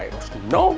saya pernah kecewa